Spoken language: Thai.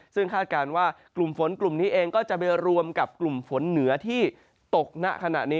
ซึ่งคาดการณ์ว่ากลุ่มฝนกลุ่มนี้เองก็จะไปรวมกับกลุ่มฝนเหนือที่ตกณขณะนี้